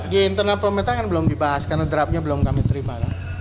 di internal pemerintah kan belum dibahas karena draftnya belum kami terima